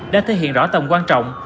đã thể hiện rõ tầm quan trọng